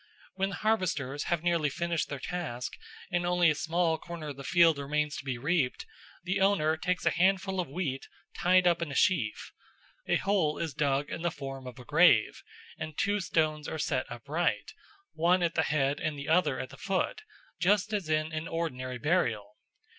When the harvesters have nearly finished their task and only a small corner of the field remains to be reaped, the owner takes a handful of wheat tied up in a sheaf. A hole is dug in the form of a grave, and two stones are set upright, one at the head and the other at the foot, just as in an ordinary burial.